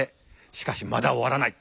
しかしまだ終わらない。